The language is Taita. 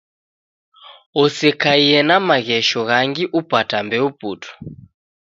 Osekaie na maghesho ghangi upata mbeu putu